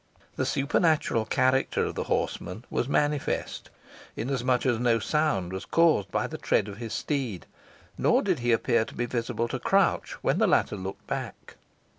The supernatural character of the horseman was manifest, inasmuch as no sound was caused by the tread of his steed, nor did he appear to be visible to Crouch when the latter looked back.